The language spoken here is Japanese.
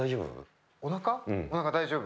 おなか大丈夫？